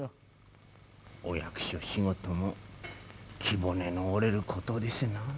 お役所仕事も気骨の折れることですなあ。